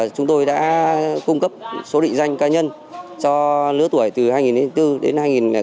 chúng tôi đã cung cấp số định danh ca nhân cho lứa tuổi từ hai nghìn bốn đến hai nghìn tám